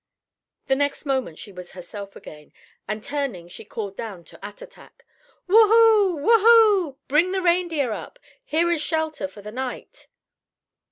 The next moment she was herself again, and turning she called down to Attatak: "Who hoo! Who hoo! Bring the reindeer up. Here is shelter for the night."